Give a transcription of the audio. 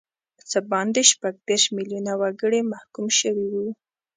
څه باندې شپږ دیرش میلیونه وګړي محکوم شوي وو.